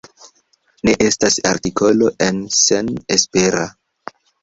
Ne estas artikolo en Sen:esepera.